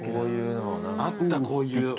あったこういう。